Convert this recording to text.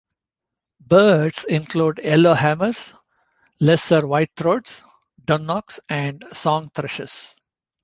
Birds include yellowhammers, lesser whitethroats, dunnocks and song thrushes.